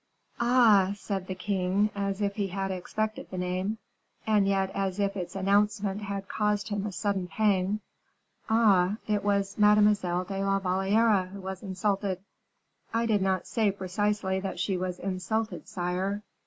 "Ah!" said the king, as if he had expected the name, and yet as if its announcement had caused him a sudden pang; "ah! it was Mademoiselle de la Valliere who was insulted." "I do not say precisely that she was insulted, sire."